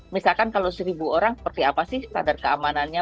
misalkan kalau seribu orang seperti apa sih standar keamanannya